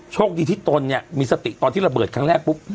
โชคดีที่ตนเนี่ยมีสติตอนที่ระเบิดครั้งแรกปุ๊บ